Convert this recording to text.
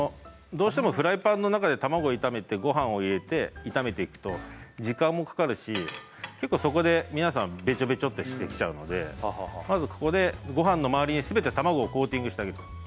どうしてもフライパンの中で卵を炒めてごはんを入れて炒めていくと時間もかかるし結構そこで皆さんベチョベチョとしてきちゃうのでまずここでごはんの周りに全て卵をコーティングしてあげる。